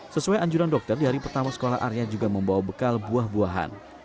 sesuai anjuran dokter di hari pertama sekolah arya juga membawa bekal buah buahan